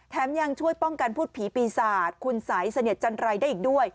ยังช่วยป้องกันพูดผีปีศาจคุณสัยเสนียจันรัยได้อีกด้วย